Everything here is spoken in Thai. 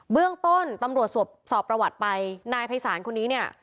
เบื้องต้นตำรวจสอบประวัติไปนายภัยศาลคนนี้เนี่ย